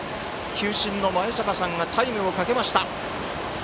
球審の前坂さんがタイムをかけました。